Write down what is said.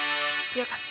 よかった。